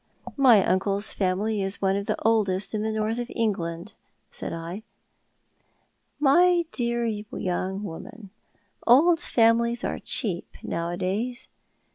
" My uncle's family is one of the oldest in the North of England," said I. " My dear young woman, old families are cheap nowadays.